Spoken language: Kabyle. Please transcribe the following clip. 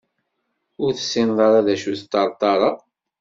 Ur tessineḍ ara d acu i d ṭerṭara?